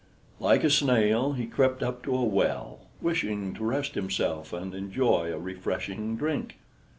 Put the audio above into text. Like a snail he crept up to a well, wishing to rest himself and enjoy a refreshing drink.